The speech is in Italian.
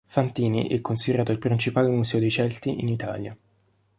Fantini” è considerato il principale “museo dei Celti” in Italia.